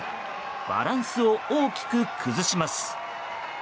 バランスを大きく崩します。